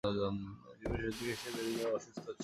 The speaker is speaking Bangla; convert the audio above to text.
জীবনের শেষদিকে দীর্ঘদিন যাবৎ অসুস্থ ছিলেন।